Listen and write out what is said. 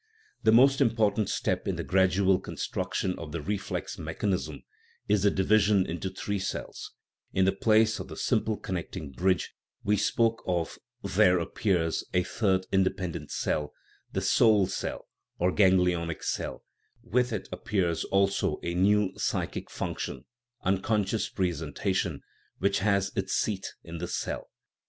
VI. The most important step in the gradual con struction of the reflex mechanism is the division into PSYCHIC GRADATIONS three cells ; in the place of the simple connecting bridge we spoke of there appears a third independent cell, the soul cell, or ganglionic cell ; with it appears also a new psychic function, unconscious presentation, which has its seat in this cell.